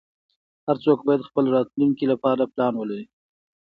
هر څوک باید خپل راتلونکې لپاره پلان ولری